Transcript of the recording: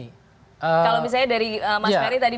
kalau misalnya dari mas ferry tadi